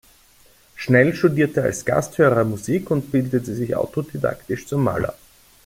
Schnell studierte als Gasthörer Musik und bildete sich autodidaktisch zum Maler.